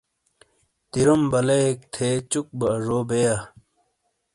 دیرُم بلئیک تھے چُک بو ازو بےیا ۔۔